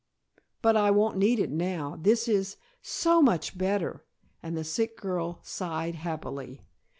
But I won't need it now. This is so much better," and the sick girl sighed happily.